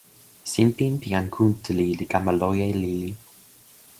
sinpin pi jan Kuntuli li kama loje lili.